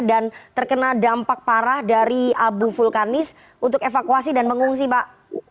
dan terkena dampak parah dari abu vulkanis untuk evakuasi dan pengungsi pak